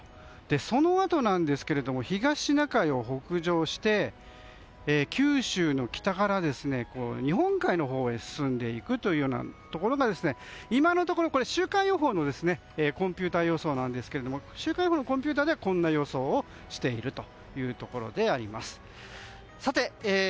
そのあと、東シナ海を北上して九州の北から日本海のほうに進んでいくというのが今のところ、週間予報のコンピューター予想なんですが週間予報のコンピューターではこんな予想をしているところです。